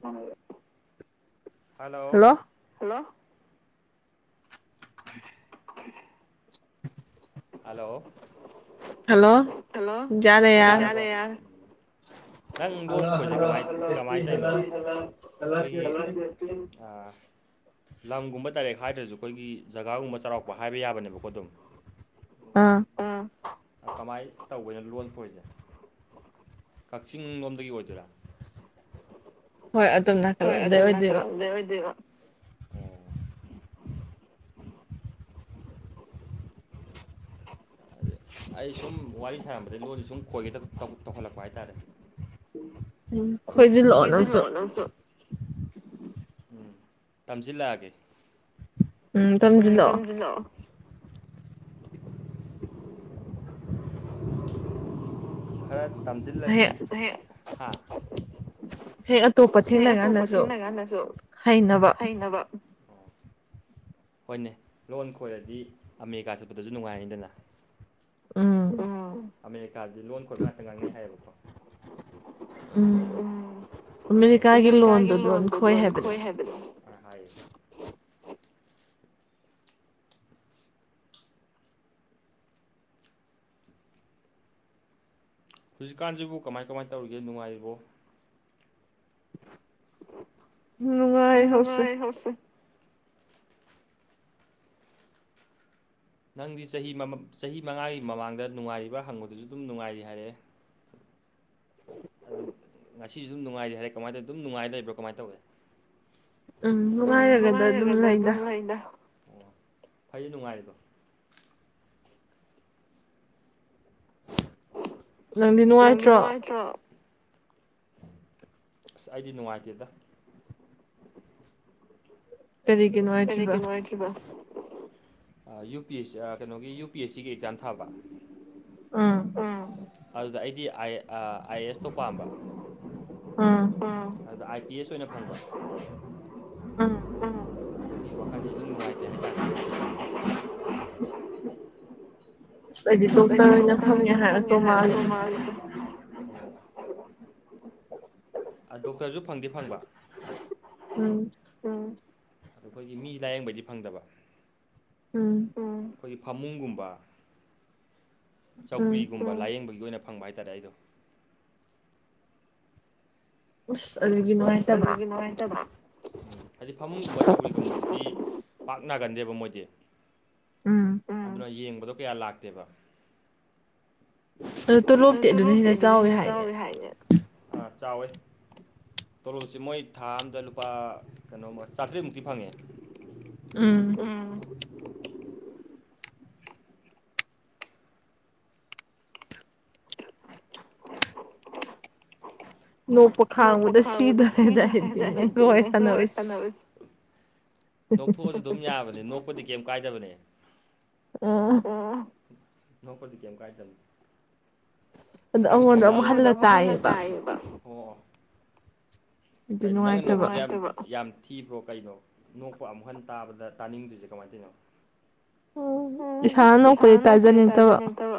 Hello! Hello! [unintelligible] [unintelligible] [unintelligible] Hello! Hello! ꯌꯥꯔꯦ ꯌꯥꯔꯦ ꯅꯪ ꯂꯣꯟ ꯈꯣꯏꯁꯦ ꯀꯃꯥꯏꯟ ꯀꯃꯥꯏꯟ ꯇꯔꯤꯅꯣ ꯑꯩꯈꯣꯏꯒꯤ ꯑꯥ ꯂꯝꯒꯨꯝꯕ ꯗꯥꯏꯔꯦꯛ ꯍꯥꯏꯗ꯭ꯔꯁꯨ ꯑꯩꯈꯣꯏꯒꯤ ꯖꯒꯥꯒꯨꯝꯕ ꯆꯥꯎꯔꯥꯛꯄ ꯍꯥꯏꯕ ꯌꯥꯕꯅꯦꯕꯀꯣ ꯑꯗꯨꯝ ꯎꯝ ꯑꯥ ꯀꯃꯥꯏꯟ ꯇꯧꯕꯩꯅꯣ ꯂꯣꯟ ꯈꯣꯏꯔꯤꯁꯦ ꯀꯛꯆꯤꯡ ꯂꯣꯝꯗꯒꯤ ꯑꯣꯏꯗꯣꯏꯔꯥ ꯍꯣꯏ ꯑꯗꯨꯝꯅ ꯍꯣꯏ ꯑꯗꯣꯝ ꯅꯥꯀꯜꯂꯣꯝꯗꯩ ꯑꯣꯏꯗꯣꯏꯕ ꯑꯩ ꯁꯨꯝ ꯋꯥꯔꯤ ꯁꯥꯟꯅꯕꯗ ꯂꯣꯟꯁꯤ ꯁꯨꯝ ꯈꯣꯏꯒꯦ ꯇꯧꯈꯜꯂꯛꯄ ꯍꯥꯏꯇꯥꯔꯦ ꯎꯝ ꯈꯣꯏꯖꯤꯜꯂꯛꯑꯣ ꯅꯪꯁꯨ ꯎꯝ ꯇꯝꯁꯤꯜꯂꯛꯑꯒꯦ ꯎꯝ ꯇꯝꯖꯤꯜꯂꯛꯑꯣ ꯈꯔ ꯇꯝꯖꯤꯜꯂꯗꯤ ꯍꯦ ꯍꯥꯥ ꯍꯥꯌꯦꯡ ꯑꯇꯣꯞꯄ ꯊꯦꯡꯅ ꯒꯥꯟꯗꯁꯨ ꯍꯩꯅꯕ ꯍꯣꯏꯅꯦ ꯂꯣꯟ ꯈꯣꯏꯔꯗꯤ ꯑꯃꯦꯔꯤꯀꯥ ꯆꯠꯄꯗꯁꯨ ꯅꯨꯡꯉꯥꯏꯅꯤꯗꯅ ꯎꯝ ꯑꯃꯦꯔꯤꯀꯥꯗꯤ ꯂꯣꯟ ꯈꯣꯏꯕ ꯉꯥꯛꯇ ꯉꯥꯡꯅꯩ ꯍꯥꯏꯌꯦꯕꯀꯣ ꯎꯝ ꯑꯃꯦꯔꯤꯀꯥꯒꯤ ꯂꯣꯟꯗꯨ ꯂꯣꯟ ꯈꯣꯏ ꯍꯥꯏꯕꯅꯤ ꯑꯥ ꯍꯥꯏꯌꯦ ꯍꯧꯖꯤꯛꯀꯥꯟꯖꯤꯕꯨ ꯀꯃꯥꯏ ꯀꯃꯥꯏ ꯇꯧꯔꯤꯒꯦ ꯅꯨꯡꯉꯥꯏꯔꯤꯕꯣ ꯅꯨꯡꯉꯥꯏ ꯍꯧꯁꯦ ꯍꯧꯁꯦ ꯅꯪꯗꯤ ꯆꯍꯤ ꯃꯥ ꯆꯍꯤ ꯃꯉꯥꯒꯤ ꯃꯃꯥꯡꯗ ꯅꯨꯡꯉꯥꯏꯔꯤꯕ ꯍꯪꯕꯗꯨꯁꯨ ꯑꯗꯨꯝ ꯅꯨꯡꯉꯥꯏꯔꯤ ꯍꯥꯏꯔꯛꯑꯦ ꯉꯁꯤꯁꯨ ꯑꯗꯨꯝ ꯅꯨꯡꯉꯥꯏꯔꯤ ꯍꯥꯏꯔꯦ ꯀꯃꯥꯏꯟ ꯇꯧ ꯑꯗꯨꯝ ꯅꯨꯡꯉꯥꯏ ꯂꯩꯕ꯭ꯔꯣ ꯀꯃꯥꯏꯟ ꯇꯧꯒꯦ ꯎꯝ ꯅꯨꯡꯉꯥꯏꯔꯒꯗ ꯑꯗꯨꯝ ꯂꯩꯗ, ꯑꯣ ꯐꯩ ꯅꯨꯡꯉꯥꯏꯔꯤꯗꯣ ꯅꯪꯗꯤ ꯅꯨꯡꯉꯥꯏꯇ꯭ꯔꯣ ꯇ꯭ꯔꯣ ꯑꯁ ꯑꯩꯗꯤ ꯅꯨꯡꯉꯥꯏꯇꯦꯗ ꯀꯔꯤꯒꯤ ꯅꯨꯡꯉꯥꯏꯇ꯭ꯔꯤꯕ ꯑꯥ ꯌꯨ ꯄꯤ ꯑꯦꯁ ꯑꯥ ꯀꯩꯅꯣꯒꯤ ꯌꯨ ꯄꯤ ꯑꯦꯁ ꯁꯤꯒꯤ ꯑꯦꯛꯖꯥꯝ ꯊꯥꯕ ꯎꯝ ꯎꯝ ꯑꯗꯨꯗ ꯑꯩꯗꯤ ꯑꯥꯏ ꯑ ꯑꯥꯏ ꯑꯦꯁꯇꯣ ꯄꯥꯝꯕ ꯎꯝ ꯑꯗꯨꯗ ꯑꯥꯏ ꯄꯤ ꯑꯦꯁ ꯑꯣꯏꯅ ꯐꯪꯕ ꯎꯝ ꯑꯗꯨꯒꯤ ꯋꯥꯈꯜꯁꯦ ꯏꯅꯨꯡ ꯅꯨꯡꯉꯥꯏꯇꯦ ꯍꯥꯏꯇꯥꯔꯦ ꯑꯁ ꯑꯩꯗꯤ ꯗꯣꯛꯇꯔ ꯑꯣꯏꯅ ꯐꯪꯉꯦ ꯍꯥꯏꯔꯛꯇꯧ ꯃꯥꯜꯂꯦ [unintelligible] ꯑ ꯗꯣꯛꯇꯔꯖꯨ ꯐꯪꯗꯤ ꯐꯪꯕ ꯎꯝ ꯎꯝ ꯑꯩꯈꯣꯏꯒꯤ ꯃꯤ ꯂꯥꯏꯌꯦꯡꯕꯩꯗꯤ ꯐꯪꯗꯕ ꯎꯝ ꯎꯝ ꯑꯩꯈꯣꯏꯒꯤ ꯐꯃꯨꯡꯒꯨꯝꯕ ꯆꯧꯀ꯭ꯔꯤꯒꯨꯝ ꯕ ꯂꯥꯏꯌꯦꯡꯕꯒꯤ ꯑꯣꯏꯅ ꯐꯪꯕ ꯍꯥꯏꯇꯥꯔꯦ ꯑꯩꯗꯣ ꯎꯁ ꯑꯗꯨ ꯎꯁ ꯑꯗꯨꯒꯤ ꯅꯨꯡꯉꯥꯏꯇꯕ ꯍꯥꯏꯗꯤ ꯐꯃꯨꯡꯒꯨꯝꯕ ꯆꯧꯀ꯭ꯔꯤꯒꯨꯝꯕꯁꯤꯗꯤ ꯄꯥꯛ ꯅꯥꯒꯟꯗꯦꯕ ꯃꯣꯏꯗꯤ ꯎꯝ ꯌꯦꯡꯕꯗꯣ ꯀꯌꯥ ꯂꯥꯛꯇꯦꯕ ꯇꯣꯂꯣꯞꯇꯤ ꯑꯗꯨꯅ ꯍꯦꯟꯅ ꯆꯥꯎꯋꯤ ꯍꯥꯏꯅꯦ ꯑ ꯆꯥꯎꯋꯦ ꯇꯣꯂꯣꯞꯁꯦ ꯃꯣꯏ ꯊꯥ ꯑꯝꯗ ꯂꯨꯄꯥ ꯀꯩꯅꯣꯃ ꯆꯥꯇ꯭ꯔꯦꯠꯃꯨꯛꯇꯤ ꯐꯪꯉꯦ ꯎꯝ ꯎꯝ ꯅꯣꯛꯄ ꯈꯥꯡꯕꯗ ꯁꯤꯗꯣꯔꯦꯗ ꯑꯩꯗꯤ ꯅꯪꯒ ꯋꯥꯔꯤ ꯁꯥꯟꯅꯕꯁꯦ ꯅꯣꯛꯊꯣꯛꯑꯁꯨ ꯑꯗꯨꯝ ꯌꯥꯕꯅꯦ ꯅꯣꯛꯄꯗꯤ ꯀꯩꯝ ꯀꯥꯏꯗꯕꯅꯦ ꯎꯝ ꯎꯝ ꯅꯣꯛꯄꯗꯤ ꯀꯩꯝ ꯀꯥꯏꯗꯝ ꯑꯩ ꯉꯁꯥꯏꯒꯤ ꯑꯩꯉꯣꯟꯗ ꯑꯃꯨꯛ ꯍꯜꯂ ꯇꯥꯏꯌꯦꯕ ꯑꯣ ꯀꯩꯅꯣ ꯅꯪꯅ ꯅꯣꯛꯄꯁꯦ [unintelligible] ꯌꯥꯝ ꯌꯥꯝ ꯊꯤꯕ꯭ꯔꯣ ꯀꯩꯅꯣ ꯅꯣꯛꯄ ꯑꯃꯨꯛ ꯍꯟꯅ ꯇꯥꯕꯗ ꯇꯥꯅꯤꯡꯗ꯭ꯔꯤꯁꯦ ꯀꯃꯥꯏꯅ ꯇꯧꯏꯅꯣ [unintelligible] ꯏꯁꯥꯅ ꯅꯣꯛꯄꯗꯤ ꯇꯥꯖꯅꯤꯡꯇꯕ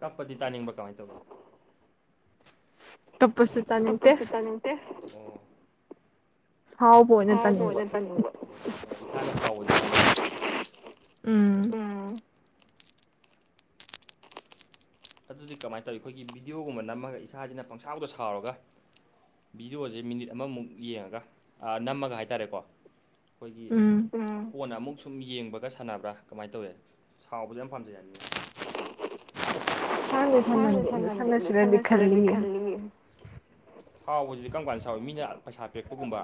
ꯀꯞꯄꯗꯤ ꯇꯥꯅꯤꯡꯕ ꯀꯃꯥꯏꯅ ꯇꯧꯏ ꯀꯞꯄꯁꯨ ꯇꯥꯅꯤꯡ ꯇꯦ ꯁꯥꯎꯕ ꯑꯣꯏꯅ ꯇꯥꯅꯤꯡꯕ ꯏꯁꯥꯅ ꯁꯥꯎꯕꯁꯦ ꯇꯥꯅꯤꯡꯕ ꯎꯝ ꯑꯗꯨꯗꯤ ꯀꯃꯥꯏꯅ ꯇꯧꯋꯤ ꯑꯩꯈꯣꯏꯒꯤ ꯕꯤꯗꯤꯑꯣꯒꯨꯝꯕ ꯅꯝꯃꯒ ꯏꯁꯥꯁꯤꯅ ꯄꯪꯁꯥꯎꯗ ꯁꯥꯎꯔꯒ ꯕꯤꯗꯤꯑꯣꯁꯦ ꯃꯤꯅꯤꯠ ꯑꯃꯃꯨꯛ ꯌꯦꯡꯉꯒ ꯑꯥ ꯅꯝꯃꯒ ꯍꯥꯏꯇꯥꯔꯦꯀꯣ ꯑꯩꯈꯣꯏꯒꯤ ꯀꯣꯟꯅ ꯑꯃꯨꯛ ꯁꯨꯝ ꯌꯦꯡꯕꯒ ꯁꯥꯟꯅꯕ꯭ꯔꯥ ꯀꯃꯥꯏꯅ ꯇꯧꯋꯦ ꯁꯥꯎꯕꯁꯨ ꯌꯥꯝ ꯄꯥꯝꯖꯩ ꯍꯥꯏꯕꯅꯤꯅ ꯁꯥꯟꯗꯤ ꯁꯥꯟꯅꯗꯦ ꯑꯗꯨ ꯁꯥꯟꯅꯁꯤꯔꯥꯗꯤ ꯈꯜꯂꯤꯌꯦ ꯁꯥꯎꯕꯁꯤꯗꯤ ꯀꯔꯝ ꯀꯥꯟꯗ ꯁꯥꯎꯏ ꯃꯤꯅ ꯄꯩꯁꯥ ꯄꯤꯔꯛꯄꯒꯨꯝꯕ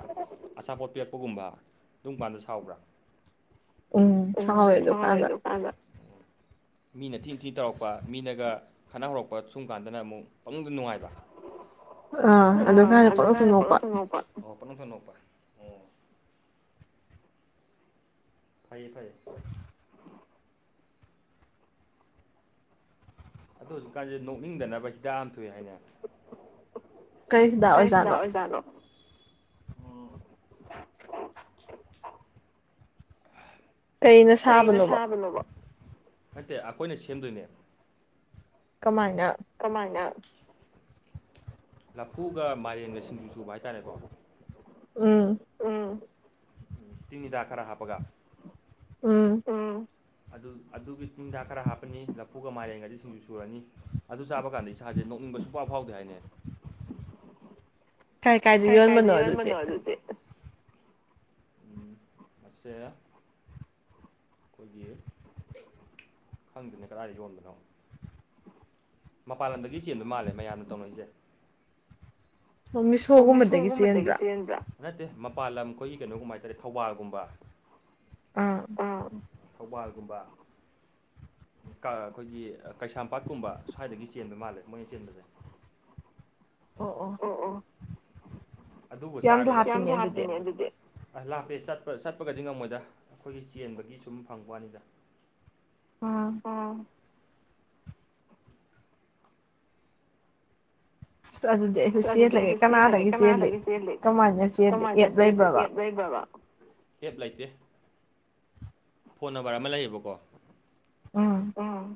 ꯑꯆꯥꯄꯣꯠ ꯄꯤꯔꯛꯄꯒꯨꯝꯕ ꯑꯗꯨꯝꯀꯥꯟꯗ ꯁꯥꯎꯕ꯭ꯔꯥ ꯎꯝ ꯁꯥꯎꯋꯦ ꯑꯗꯨꯝ ꯀꯥꯟꯗ ꯃꯤꯅ ꯊꯤꯅ ꯊꯤ ꯇꯧꯔꯛꯄ ꯃꯤꯅꯒ ꯈꯠꯅꯍꯧꯔꯛꯄ ꯁꯨꯝ ꯀꯥꯟꯗꯅ ꯑꯃꯨꯛ ꯄꯪꯅꯨꯡꯗ ꯅꯨꯡꯉꯥꯏꯕ ꯑ ꯑꯗꯨꯝꯀꯥꯟꯗꯅ ꯄꯪꯅꯣꯛꯇ ꯅꯣꯛꯄ ꯐꯩꯌꯦ ꯐꯩꯌꯦ ꯑꯗꯣ ꯍꯧꯖꯤꯛꯀꯥꯟꯁꯦ ꯅꯣꯛꯅꯤꯡꯗꯅꯕ ꯍꯤꯗꯥꯛ ꯑꯝ ꯊꯣꯛꯑꯦ ꯍꯥꯏꯅ ꯀꯩ ꯍꯤꯗꯥꯛ ꯑꯣꯖꯥꯠꯅꯣ [unintelligible] [inaudible] ꯀꯩꯅ ꯁꯥꯕꯅꯣꯕ ꯅꯠꯇꯦ ꯑꯩꯈꯣꯏꯅ ꯁꯦꯝꯗꯣꯏꯅꯦꯕ ꯀꯃꯥꯏꯅ ꯀꯃꯥꯏꯅ ꯂꯐꯨꯒ ꯃꯥꯏꯔꯦꯟꯒ ꯁꯤꯡꯖꯨ ꯁꯨꯕ ꯍꯥꯏꯇꯥꯔꯦꯀꯣ ꯎꯝ ꯎꯝ ꯇꯤꯟ ꯍꯤꯗꯥꯛ ꯈꯔ ꯍꯥꯞꯄꯒ ꯎꯝ ꯎꯝ ꯑꯗꯨ ꯑꯗꯨꯒꯤ ꯇꯤꯟ ꯍꯤꯗꯥꯛ ꯈꯔ ꯍꯥꯞꯄꯅꯤ ꯂꯐꯨꯒ ꯃꯥꯏꯔꯦꯟꯒꯗꯤ ꯁꯤꯡꯖꯨ ꯁꯨꯔꯅꯤ ꯑꯗꯨ ꯆꯥꯕ ꯀꯥꯟꯗ ꯏꯁꯥꯁꯦ ꯅꯣꯛꯅꯤꯡꯕ ꯁꯨꯛꯐꯥꯎ ꯐꯥꯎꯗꯦ ꯍꯥꯏꯅꯦ ꯀꯥꯏ ꯀꯥꯏꯗ ꯌꯣꯟꯕꯅꯣ ꯑꯗꯨꯗꯤ ꯑꯩꯈꯣꯏꯒꯤ ꯈꯪꯗꯦꯅꯦ ꯀꯗꯥꯏꯗ ꯌꯣꯟꯕꯅꯣ ꯃꯄꯥꯟ ꯂꯝꯗꯒꯤ ꯆꯦꯟꯕ ꯃꯥꯜꯂꯦ ꯃꯌꯥꯝꯅ ꯇꯧꯅꯔꯤꯁꯦ ꯃꯤꯁꯣꯒꯨꯝꯕꯗꯒꯤ ꯆꯦꯟꯕ꯭ꯔꯥ ꯅꯠꯇꯦ ꯃꯄꯥꯟ ꯂꯝ ꯑꯩꯈꯣꯏꯒꯤ ꯀꯩꯅꯣꯒꯨꯝꯕ ꯍꯥꯏꯇꯥꯔꯦ ꯊꯧꯕꯥꯜꯒꯨꯝꯕ ꯊꯧꯕꯥꯜꯒꯨꯝꯕ ꯑꯩꯈꯣꯏꯒꯤ ꯀꯩꯁꯥꯝꯄꯥꯠꯀꯨꯝꯕ ꯁ꯭ꯋꯥꯏꯗꯒꯤ ꯆꯦꯟꯕ ꯃꯥꯜꯂꯦ ꯃꯣꯏꯅ ꯆꯦꯟꯕꯁꯦ ꯑꯣ ꯑꯣ ꯑꯗꯨꯕꯨ ꯆꯥꯒꯔꯕ ꯌꯥꯝ ꯂꯥꯞꯄꯤꯅꯦ ꯑꯗꯨꯗꯤ ꯑꯁ ꯂꯥꯞꯄꯦ ꯆꯠꯄ ꯆꯠꯄꯒꯗꯤ ꯉꯝꯃꯣꯏꯗ ꯑꯩꯈꯣꯏꯒꯤ ꯆꯦꯟꯕꯒꯤ ꯁꯨꯝ ꯐꯪꯕ ꯋꯥꯅꯤꯗ ꯑꯥ ꯑꯁ ꯑꯗꯨꯗꯤ ꯑꯩꯁꯨ ꯆꯦꯜꯂꯒꯦ ꯀꯅꯥꯗꯒꯤ ꯆꯦꯜꯂꯤ ꯀꯃꯥꯏꯅ ꯆꯦꯜꯂꯤ ꯑꯦꯞ ꯂꯩꯕ꯭ꯔꯕ [inaudible] ꯑꯦꯞ ꯂꯩꯇꯦ ꯐꯣꯟ ꯅꯝꯕꯔ ꯑꯃ ꯂꯩꯌꯦꯕꯀꯣ ꯎꯝ ꯑꯥ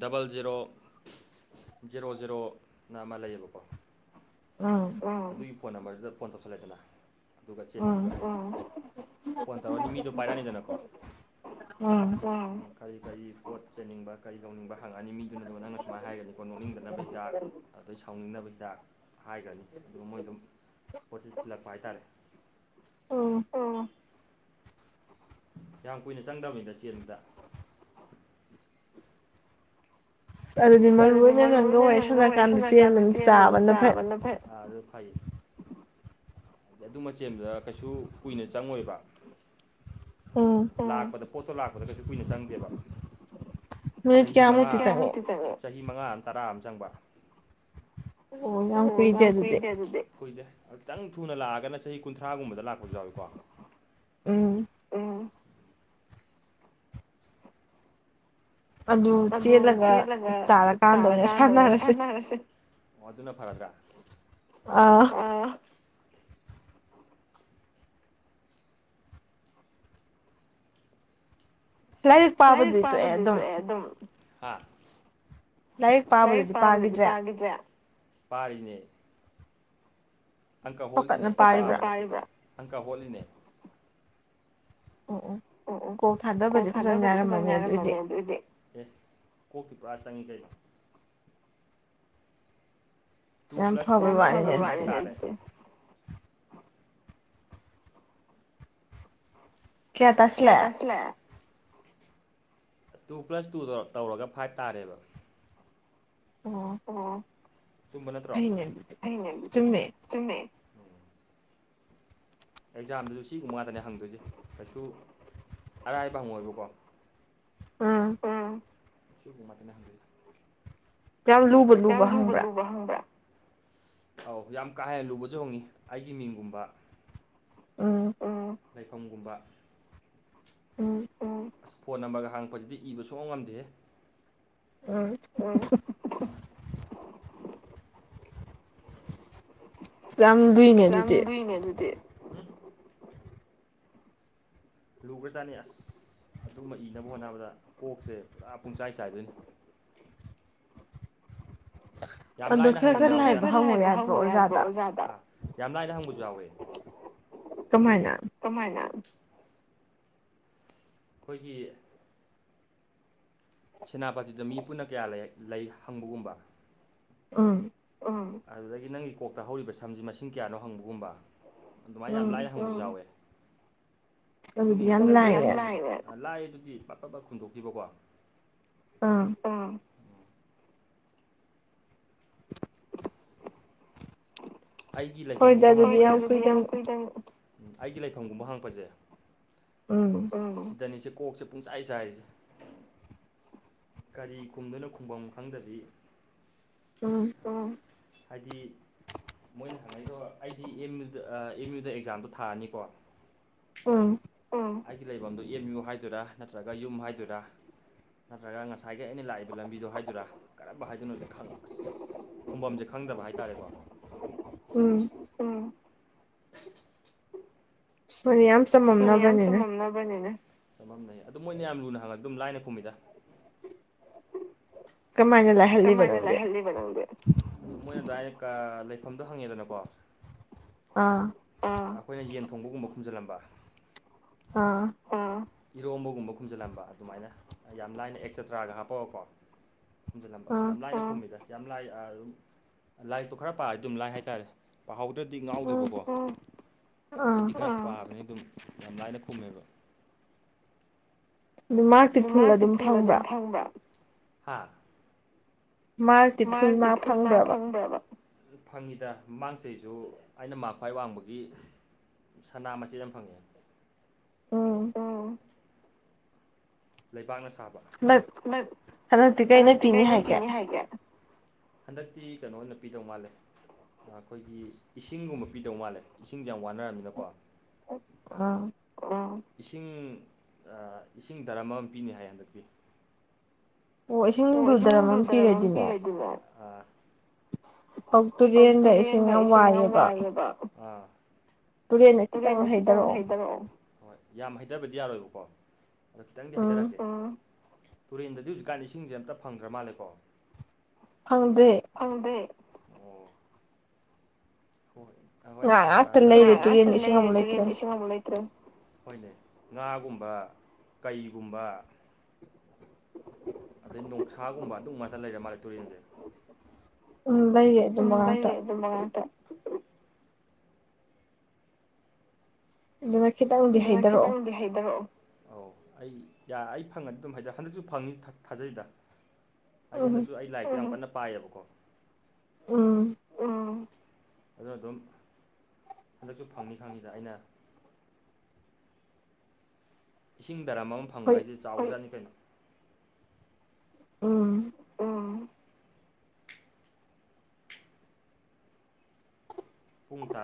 ꯗꯕꯜ ꯖꯦꯔꯣ ꯖꯦꯔꯣ ꯖꯦꯔꯣꯅ ꯑꯃ ꯂꯩꯌꯦꯕꯀꯣ ꯎꯝ ꯑꯗꯨꯒꯤ ꯐꯣꯟ ꯅꯝꯕꯔꯗꯨꯗ ꯐꯣꯟ ꯇꯧꯁꯜꯂꯦꯗꯅ ꯑꯗꯨꯒ ꯆꯦꯟꯕꯤꯕ ꯐꯣꯟ ꯇꯧꯔꯛꯅꯤ ꯃꯤꯗꯣ ꯄꯥꯏꯔꯛꯅꯤꯗꯅꯀꯣ ꯎꯝ ꯀꯔꯤ ꯀꯔꯤ ꯄꯣꯠ ꯆꯩꯅꯤꯡꯕ ꯀꯔꯤ ꯇꯧꯅꯤꯡꯕ ꯍꯪꯉꯅꯤ ꯃꯤꯗꯨꯅꯗꯣ ꯅꯪꯅ ꯁꯨꯃꯥꯏꯅ ꯍꯥꯏꯒꯅꯤꯀꯣ ꯅꯣꯛꯅꯤꯡꯗꯅꯕ ꯍꯤꯗꯥꯛ ꯑꯗꯩ ꯁꯥꯎꯅꯤꯡꯅꯕ ꯍꯤꯗꯥꯛ ꯍꯥꯏꯈ꯭ꯔꯅꯤ ꯑꯗꯨꯒ ꯃꯣꯏ ꯑꯗꯨꯝ ꯄꯣꯜꯁꯤ ꯍꯥꯏꯇꯥꯔꯦ ꯑꯣ ꯌꯥꯝ ꯀꯨꯏꯅ ꯆꯪꯗꯝꯕꯅꯤꯗ ꯆꯦꯟꯕꯗ ꯑꯗꯨꯗꯤ ꯃꯔꯨ ꯑꯣꯏꯅ ꯅꯪꯒ ꯋꯥꯔꯤ ꯁꯥꯟꯅꯀꯥꯟꯗ ꯆꯥꯕꯅ ꯐꯩ ꯑꯗꯨꯃ ꯆꯦꯟꯕꯗ ꯀꯩꯁꯨ ꯀꯨꯏꯅ ꯆꯪꯉꯣꯏꯕ ꯎꯝ ꯂꯥꯛꯄꯗ ꯄꯣꯠꯇꯣ ꯂꯥꯛꯄꯗ ꯀꯩꯁꯨ ꯀꯨꯏꯅ ꯆꯪꯗꯦꯕ ꯆꯍꯤ ꯃꯉꯥ ꯃꯤꯅꯤꯠ ꯀꯌꯥꯃꯨꯛꯇꯤ ꯆꯪꯉꯤ ꯆꯍꯤ ꯃꯉꯥ ꯇꯔꯥ ꯑꯃ ꯆꯪꯕ ꯑꯣ ꯌꯥꯝ ꯀꯨꯏꯗꯦ ꯑꯗꯨꯗꯤ ꯀꯨꯏꯗꯦ [unintelligible] ꯈꯤꯇꯪ ꯊꯨꯅ ꯂꯥꯛꯑꯒꯅ ꯆꯍꯤ ꯀꯨꯟꯊ꯭ꯔꯥꯒꯨꯝꯕꯗ ꯂꯥꯛꯄꯖꯨ ꯌꯥꯎꯏꯀꯣ ꯎꯝ ꯑꯗꯨ ꯆꯦꯜꯂꯒ ꯆꯥꯔꯀꯥꯟꯗ ꯑꯣꯏꯅ ꯁꯥꯟꯅꯔꯁꯤ ꯑꯣ ꯑꯗꯨꯅ ꯐꯔꯗ꯭ꯔꯥ ꯑꯥ ꯑꯥ ꯂꯥꯏꯔꯤꯛ ꯄꯥꯕꯗꯤ ꯇꯣꯛꯑꯦ ꯑꯗꯨꯝ ꯍꯥ ꯂꯥꯏꯔꯤꯛ ꯄꯥꯕꯗꯨꯗꯤ ꯄꯥꯒꯤꯗ꯭ꯔꯦ ꯄꯥꯔꯤꯅꯦ ꯑꯪꯀꯥ ꯍꯣꯠꯂꯤꯅꯦ [unintelligible] ꯑꯪꯀꯥ ꯍꯣꯠꯂꯤꯅꯦ ꯑꯣ ꯑꯣ ꯑꯣ ꯑꯣ ꯀꯣꯛ ꯐꯥꯗꯕꯗꯤ ꯐꯖꯅ ꯉꯥꯏꯔꯝꯃꯅꯤ ꯑꯗꯨꯗꯤ ꯑꯦ ꯀꯣꯛꯇꯤ ꯄꯨꯔꯥ ꯆꯪꯉꯤ ꯀꯩꯅꯣ ꯇꯨ ꯄ꯭ꯂꯁ ꯇꯨ [unintelligible] ꯀꯌꯥ ꯇꯥꯁꯤꯜꯂꯦ ꯇꯨ ꯄ꯭ꯂꯁ ꯇꯨꯗꯣ ꯇꯧꯔꯒ ꯐꯥꯏꯚ ꯇꯥꯔꯦꯕ ꯑꯣ ꯑꯣ ꯆꯨꯝꯕ ꯅꯠꯇ꯭ꯔꯣ [unintelligible] ꯆꯨꯝꯃꯦ ꯑꯦꯛꯖꯥꯝꯗꯖꯨ ꯁꯤꯒꯨꯝꯕ ꯉꯥꯛꯇꯅꯦ ꯍꯪꯗꯣꯏꯖꯦ ꯀꯩꯁꯨ ꯑꯔꯥꯏꯕ ꯍꯪꯉꯣꯏꯕꯀꯣ ꯑꯥ ꯑꯥ ꯁꯤꯒꯨꯝꯕ ꯉꯥꯛꯇꯅꯦ ꯍꯪꯗꯣꯏꯖꯦ ꯌꯥꯝ ꯂꯨ ꯌꯥꯝ ꯂꯨꯕ ꯒꯨꯝꯕ ꯍꯪꯕ꯭ꯔꯥ ꯑꯧ ꯌꯥꯝ ꯀꯥ ꯍꯦꯟꯅ ꯂꯨꯕꯖꯨ ꯍꯪꯉꯤ ꯑꯩꯒꯤ ꯃꯤꯡꯒꯨꯝꯕ ꯑꯣ ꯂꯩꯐꯝꯒꯨꯝꯕ ꯎꯝ ꯑꯁ ꯐꯣꯟ ꯅꯝꯕꯔꯒ ꯍꯪꯉꯛꯄꯖꯤꯗꯤ ꯏꯕ ꯁꯨꯡꯉꯝ ꯉꯝꯗꯦꯍꯦ [unintelligible] [unintelligible] ꯂꯪꯗꯨꯏꯅꯦ ꯑꯗꯨꯗꯤ ꯂꯨꯒ꯭ꯔꯥ ꯖꯥꯠꯅꯤ ꯑꯁ ꯑꯗꯨꯃꯥ ꯏꯅꯕ ꯍꯣꯠꯅꯕꯗ ꯀꯣꯛꯁꯦ ꯄꯨꯔꯥ ꯄꯨꯡꯆꯥꯏ ꯆꯥꯏꯗꯣꯏꯅꯤ ꯌꯥꯝ ꯂꯥꯏꯅ ꯍꯪꯕꯖꯨ ꯌꯥꯎꯋꯤꯗ [unintelligible] ꯈꯔ ꯈꯔ ꯂꯥꯏꯕ ꯍꯪꯉꯣ ꯌꯥꯗ꯭ꯔꯣ ꯑꯣꯖꯥꯗ ꯌꯥꯝ ꯂꯥꯏꯅ ꯍꯪꯕꯖꯨ ꯌꯥꯎꯋꯦ ꯀꯃꯥꯏꯅ ꯀꯃꯥꯏꯅ ꯑꯩꯈꯣꯏꯒꯤ ꯁꯦꯅꯥꯄꯇꯤꯗ ꯃꯤ ꯄꯨꯟꯅ ꯀꯌꯥ ꯂꯩ ꯂꯩ ꯍꯪꯕꯒꯨꯝꯕ ꯎꯝ ꯎꯝ ꯑꯗꯨꯗꯒꯤ ꯅꯪꯒꯤ ꯀꯣꯛꯇ ꯍꯧꯔꯤꯕ ꯁꯝꯖꯤ ꯃꯁꯤꯡ ꯀꯌꯥꯅꯣ ꯍꯪꯕꯒꯨꯝꯕ ꯑꯗꯨꯃꯥꯏ ꯌꯥꯝ ꯂꯥꯏꯅ ꯍꯪꯕꯖꯨ ꯌꯥꯎꯋꯦ ꯑꯗꯨꯒꯨꯝꯕꯗꯨꯅ [unintelligible] ꯂꯥꯏ ꯑꯗꯨꯗꯤ ꯄꯠ ꯄꯠ ꯄꯠ ꯈꯨꯝꯗꯣꯛꯈꯤꯕꯀꯣ ꯑꯥ ꯑꯩꯒꯤ ꯂꯩꯐꯝꯒꯨꯝꯕ [unintelligible] ꯍꯣꯏꯗ ꯑꯗꯨꯗꯤ ꯌꯥꯝ ꯀꯨꯏꯗꯕꯤ ꯑꯩꯒꯤ ꯂꯩꯐꯝꯒꯨꯝꯕ ꯍꯪꯉꯛꯄꯖꯦ ꯎꯝ ꯎꯝ ꯁꯤꯗꯅꯤꯁꯦ ꯀꯣꯛꯁꯦ ꯄꯨꯡꯆꯥꯏ ꯆꯥꯏꯔꯤꯖꯦ ꯀꯔꯤ ꯈꯨꯝꯗꯣꯏꯅꯣ ꯈꯨꯝꯕꯝ ꯈꯪꯗꯕꯤ ꯎꯝ ꯎꯝ ꯍꯥꯏꯗꯤ ꯃꯣꯏꯅ ꯍꯪꯉꯛꯏꯗꯣ ꯑꯩꯗꯤ ꯑꯦꯝ ꯌꯨꯗ ꯑꯦꯝ ꯌꯨꯗ ꯑꯦꯛꯖꯥꯝꯗꯣ ꯊꯥꯅꯤꯀꯣ ꯎꯝ ꯎꯝ ꯑꯩꯒꯤ ꯂꯩꯐꯝꯗꯨ ꯑꯦꯝ ꯌꯨ ꯍꯥꯏꯗꯣꯏꯔ ꯅꯠꯇ꯭ꯔꯒ ꯌꯨꯝ ꯍꯥꯏꯗꯣꯏꯔꯥ ꯅꯠꯇ꯭ꯔꯒ ꯉꯁꯥꯏꯒꯤ ꯑꯩꯅ ꯂꯥꯛꯏꯕ ꯂꯝꯕꯤꯗꯣ ꯍꯥꯏꯗꯣꯏꯔꯥ ꯀꯔꯝꯕ ꯍꯥꯏꯗꯣꯅꯣ ꯈꯪ ꯈꯨꯝꯕꯝꯁꯦ ꯈꯪꯗꯕ ꯍꯥꯏꯇꯥꯔꯦꯀꯣ ꯎꯝ ꯁꯣ ꯌꯥꯝ ꯍꯣꯏ ꯌꯥꯝ ꯆꯥꯃꯝꯅꯕꯅꯦꯅ ꯑꯗꯨ ꯃꯣꯏꯅ ꯌꯥꯝ ꯂꯨꯅ ꯍꯪꯉꯒ ꯑꯗꯨꯝ ꯂꯥꯏꯅ ꯈꯨꯝꯃꯤꯗ ꯀꯃꯥꯏꯅ ꯂꯥꯏ ꯀꯃꯥꯏꯅ ꯂꯥꯏꯍꯜꯂꯤꯕ ꯅꯪꯗꯤ ꯃꯣꯏꯅ ꯑꯗꯨ ‌ꯀꯥ ꯂꯩꯐꯝꯗꯣ ꯍꯪꯉꯦꯗꯅꯀꯣ ꯑꯥ ꯑꯩꯈꯣꯏꯅ ꯌꯦꯟ ꯊꯣꯡꯕꯒꯨꯝꯕ ꯈꯨꯝꯖꯟꯂꯝꯕ ꯑꯥ ꯑꯥ ꯏꯔꯣꯝꯕꯒꯨꯝꯕ ꯈꯨꯝꯖꯜꯂꯝꯕ ꯑꯗꯨꯃꯥꯏꯅ ꯌꯥꯝ ꯂꯥꯏꯅ ꯑꯦꯛꯁꯦꯇ꯭ꯔꯥꯒ ꯍꯥꯞꯄꯒꯀꯣ ꯈꯨꯝꯖꯟꯂꯝꯕ ꯌꯥꯝ ꯂꯥꯏꯅ ꯈꯨꯝꯃꯤꯗ ꯌꯥꯝ ꯂꯥꯏ ꯑꯗꯨꯝ ꯂꯥꯏꯔꯤꯛꯇꯣ ꯈꯔ ꯄꯥꯔꯗꯤ ꯑꯗꯨꯝ ꯂꯥꯏ ꯍꯥꯏꯇꯥꯔꯦ ꯄꯥꯍꯧꯗ꯭ꯔꯗꯤ ꯉꯥꯎꯗꯣꯏꯕꯀꯣ ꯑꯩꯗꯤ ꯈꯔ ꯄꯥꯕꯅꯤ ꯑꯗꯨꯝ ꯌꯥꯝ ꯂꯥꯏꯅ ꯈꯨꯝꯃꯦꯕ ꯑꯗꯨ ꯃꯥꯛꯇꯤ ꯐꯨꯜ ꯑꯗꯨꯝ ꯐꯪꯕꯔ‌ꯍꯥ ꯃꯥꯔꯛꯗꯤ ꯐꯨꯜ ꯃꯥꯔꯛ ꯐꯪꯕ꯭ꯔꯕ ꯐꯪꯉꯤꯗ ꯃꯥꯡ ꯁꯤꯁꯨ ꯑꯩꯅ ꯃꯥꯔꯛ ꯈ꯭ꯋꯥꯏ ꯋꯥꯡꯕꯒꯤ ꯁꯅꯥ ꯃꯆꯤꯠ ꯑꯃ ꯐꯪꯉꯦ ꯎꯝ ꯂꯩꯕꯥꯛꯅ ꯁꯥꯕ ꯍꯟꯗꯛ ꯍꯟꯗꯛꯇꯤ ꯀꯩꯅ ꯄꯤꯅꯤ ꯍꯥꯏꯒꯦ ꯍꯟꯗꯛꯇꯤ ꯀꯩꯅꯣ ꯑꯣꯏꯅ ꯄꯤꯗꯧ ꯃꯥꯜꯂꯦ ꯑꯩꯈꯣꯏꯒꯤ ꯏꯁꯤꯡꯒꯨꯝꯕ ꯄꯤꯗꯧ ꯃꯥꯜꯂꯦ ꯏꯁꯤꯡꯁꯦ ꯌꯥꯝ ꯋꯥꯅꯔꯝꯅꯤꯅꯀꯣ ꯑ ꯎꯝ ꯏꯁꯤꯡ ꯏꯁꯤꯡ ꯑꯥ ꯗꯔꯝ ꯑꯃ ꯄꯤꯅꯤ ꯍꯥꯏ ꯍꯟꯗꯛꯇꯤ ꯑꯣ ꯏꯁꯤꯡꯗꯨ ꯗꯔꯝ ꯑꯃ ꯄꯤꯔꯗꯤꯅꯦ ꯇꯨꯔꯦꯟꯗ ꯏꯁꯤꯡ ꯌꯥꯝ ꯋꯥꯏꯑꯦꯕ ꯇꯨꯔꯦꯟꯗ ꯈꯤꯇꯪ ꯍꯩꯊꯔꯛꯑꯣ ꯍꯣꯏ ꯌꯥꯝ ꯍꯩꯗꯕꯗꯤ ꯌꯥꯔꯣꯏꯕꯀꯣ ꯑꯗꯣ ꯈꯤꯇꯪꯗꯤ ꯍꯩꯊꯔꯛꯀꯦ ꯇꯨꯔꯦꯟꯗꯗꯤ ꯍꯧꯖꯤꯛꯀꯥꯟ ꯏꯁꯤꯡꯁꯦ ꯑꯝꯇ ꯐꯪꯗ꯭ꯔ ꯃꯥꯜꯂꯦꯀꯣ ꯐꯪꯗꯦ ꯐꯪꯗꯦ ꯍꯣꯏ ꯉꯥ ꯉꯥꯛꯇ ꯂꯩꯔꯦ ꯇꯨꯔꯦꯜꯁꯦ ꯏꯁꯤꯡ ꯑꯝꯇ ꯂꯩꯇꯔꯦ ꯍꯣꯏꯅꯦ ꯉꯥꯒꯨꯝꯕ ꯀꯩꯒꯨꯝꯕ ꯑꯗꯩ ꯅꯣꯡꯁꯥꯒꯨꯝꯕ ꯑꯗꯨ ꯉꯥꯛꯇ ꯂꯩꯔꯦ ꯃꯥꯜꯂꯦ ꯇꯨꯔꯦꯟꯁꯦ ꯎꯝ‌ꯂꯩꯔꯦ ꯑꯗꯨꯝꯕ ꯉꯥꯛꯇ ꯑꯗꯨꯝꯃ ꯈꯤꯇꯪ ꯑꯗꯨꯅ ꯈꯤꯇꯪꯗꯤ ꯍꯩꯗꯔꯛꯑꯣ ꯑꯧ ꯑꯩ ꯌꯥ ꯑꯩ ꯐꯪꯉꯗꯤ ꯑꯗꯨꯝ ꯍꯩꯗ ꯍꯟꯗꯛꯁꯨ ꯐꯪꯉꯤ ꯊꯥꯖꯩꯗ ꯍꯥꯏꯗꯤ ꯍꯟꯗꯛꯁꯨ ꯑꯩ ꯂꯥꯏꯔꯤꯛ ꯌꯥꯝ ꯀꯟꯅ ꯄꯥꯏꯌꯦꯕꯀꯣ ꯎꯝ ꯑꯗꯨꯅ ꯑꯗꯨꯝ ꯍꯟꯗꯛꯁꯨ ꯐꯪꯅꯤ ꯈꯪꯉꯤꯗ ꯑꯩꯅ ꯏꯁꯤꯡ ꯗꯔꯝ ꯑꯃ ꯐꯪꯕ ꯍꯥꯏꯁꯦ ꯆꯥꯎꯒ꯭ꯔꯥꯖꯥꯠꯅꯤ ꯀꯩꯅꯣ ꯎꯝ ꯄꯨꯡ ꯇꯥ